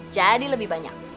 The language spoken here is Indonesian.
jadi lebih banyak